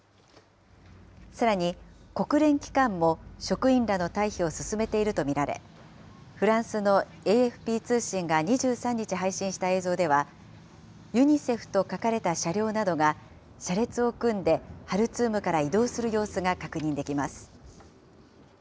さらに国連機関も職員らの退避を進めていると見られ、フランスのＡＦＰ通信が２３日配信した映像では、ユニセフと書かれた車両などが車列を組んでハルツームから移動する様子が確認できます。